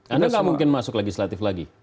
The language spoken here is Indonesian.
anda nggak mungkin masuk legislatif lagi